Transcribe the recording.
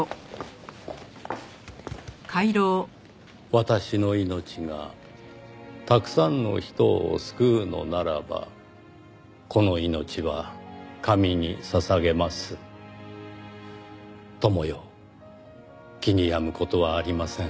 「私の命がたくさんの人を救うのならばこの命は神に捧げます」「友よ気に病む事はありません」